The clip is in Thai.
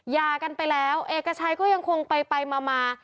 ยากันไปแล้วเอกชัยก็ยังคงไปมา